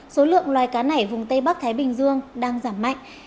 số lượng loài cá này vùng tây bắc thái bình dương đang giảm mạnh